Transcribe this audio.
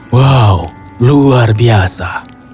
wow luar biasa